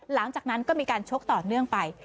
หลังจากนั้นก็มีการชกต่อเนื่องไป